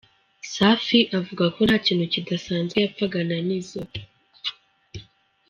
Safi avuga ko nta kintu kidasanzwe yapfaga na Nizzo.